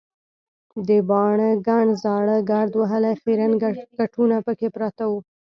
د باڼه ګڼ زاړه ګرد وهلي خیرن کټونه پکې پراته وو.